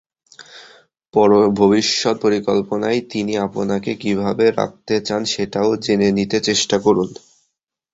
ভবিষ্যত্ পরিকল্পনায় তিনি আপনাকে কীভাবে রাখতে চান সেটাও জেনে নিতে চেষ্টা করুন।